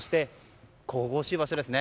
神々しい場所ですね。